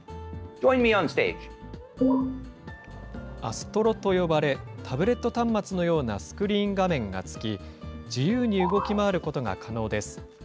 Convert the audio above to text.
アストロと呼ばれ、タブレット端末のようなスクリーン画面が付き、自由に動き回ることが可能です。